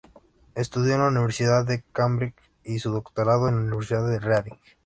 Estudió en la Universidad de Cambridge, y su doctorado en la Universidad de Reading.